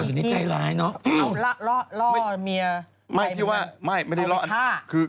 คุณภาพอยู่ในนี้ใจร้ายเนอะ